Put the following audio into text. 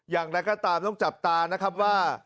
อย่างไรก็ตามต้องจับตานะครับว่า